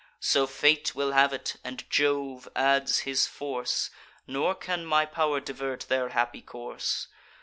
So Fate will have it, and Jove adds his force; Nor can my pow'r divert their happy course.